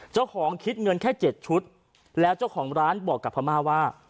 คิดเงินแค่๗ชุดแล้วเจ้าของร้านบอกกับพม่าว่า